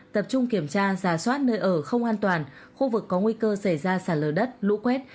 tập trung kiểm tra giả soát nơi ở không an toàn khu vực có nguy cơ xảy ra sạt lở đất lũ quét